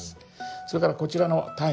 それからこちらのタイム。